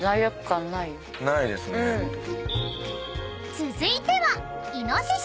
［続いては］